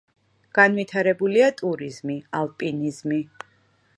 განვითარებულია ტურიზმი, ალპინიზმი.